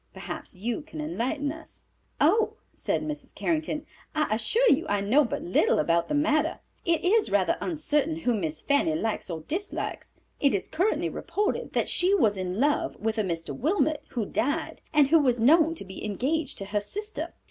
Perhaps you can enlighten us." "Oh," said Mrs. Carrington, "I assure you I know but little about the matter. It is rather uncertain whom Miss Fanny likes or dislikes. It is currently reported that she was in love with a Mr. Wilmot, who died, and who was known to be engaged to her sister.